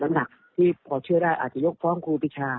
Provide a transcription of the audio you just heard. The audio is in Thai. หนักที่พอเชื่อได้อาจจะยกฟ้องครูปีชา